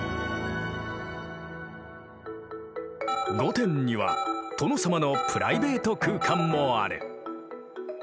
御殿には殿様のプライベート空間もある。